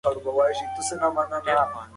زړې زېرمې بیا کارېږي.